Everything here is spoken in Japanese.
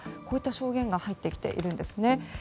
こういった証言が入ってきているんですね。